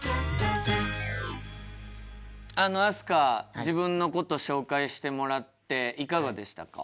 自分のこと紹介してもらっていかがでしたか？